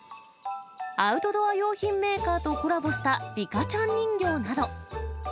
アウトドア用品メーカーとコラボしたリカちゃん人形など。